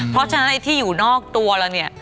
เพราะฉะนั้นที่อยู่นอกตัวแล้วเนี่ย